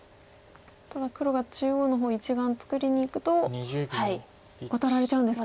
ただ黒が中央の方に１眼作りにいくとワタられちゃうんですか。